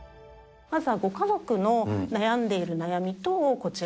まずはご家族の悩んでいる悩